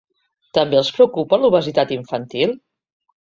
També els preocupa l’obesitat infantil?